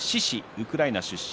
ウクライナ出身。